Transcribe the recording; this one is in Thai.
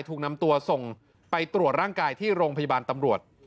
ถูกนำตัวส่งไปตรวจร่างกายที่โรงพยาบาลตำรวจ